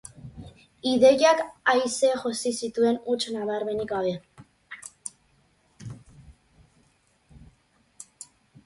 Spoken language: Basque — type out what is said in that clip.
Ideiak aise josi zituen, huts nabarmenik gabe.